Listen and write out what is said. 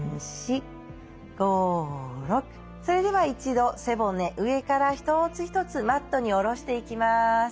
それでは一度背骨上から一つ一つマットに下ろしていきます。